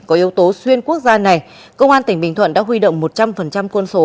có yếu tố xuyên quốc gia này công an tỉnh bình thuận đã huy động một trăm linh quân số